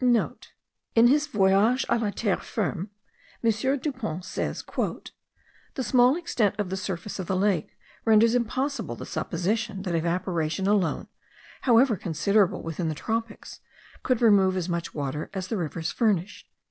(* In his Voyage a la Terre Ferme M. Depons says, "The small extent of the surface of the lake renders impossible the supposition that evaporation alone, however considerable within the tropics, could remove as much water as the rivers furnish."